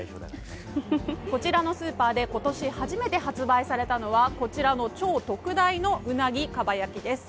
こちらのスーパーで今年初めて販売されたのはこちらの超特大のウナギかば焼きです。